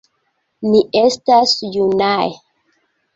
Ni estas junaj.